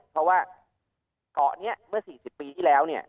เพราะว่าเกาะนี้เมื่อ๔๐ปีที่แล้วเนี่ย